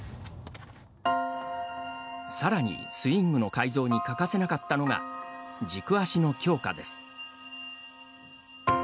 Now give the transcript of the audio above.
さらに、スイングの改造に欠かせなかったのが軸足の強化です。